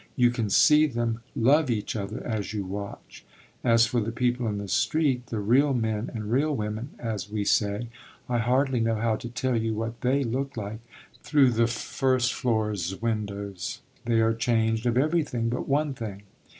You can see them love each other as you watch. As for the people in the street, the real men and real women, as we say, I hardly know how to tell you what they look like through the first floor's windows. They are changed of everything but one thing.